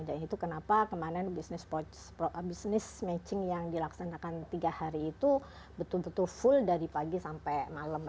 dan itu kenapa kemarin business matching yang dilaksanakan tiga hari itu betul betul full dari pagi sampai malam